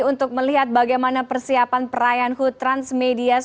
untuk melihat bagaimana persiapan perayaan hut transmedia